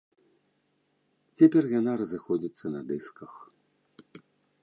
Цяпер яна разыходзіцца на дысках.